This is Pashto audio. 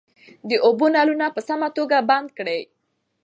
د اوبو نلونه په سمه توګه بند کړئ.